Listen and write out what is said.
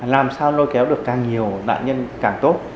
làm sao lôi kéo được càng nhiều nạn nhân càng tốt